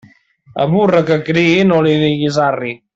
A burra que criï, no li diguis arri.